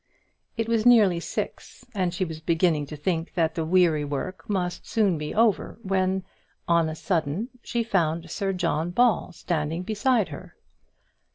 It was nearly six, and she was beginning to think that the weary work must soon be over, when, on a sudden, she found Sir John Ball standing beside her.